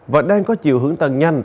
và đang có chiều hướng tầng nhanh